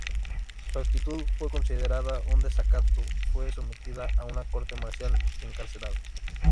Su actitud fue considerada un desacato, fue sometido a una corte marcial y encarcelado.